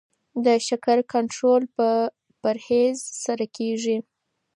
د شکر کنټرول په پرهیز سره کیږي.